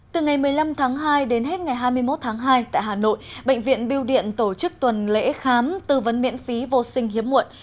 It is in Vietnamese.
từ ngày một mươi năm tháng hai đến hết ngày hai mươi một tháng hai tại hà nội bệnh viện biêu điện tổ chức tuần lễ khám tư vấn miễn phí vô sinh hiếm muộn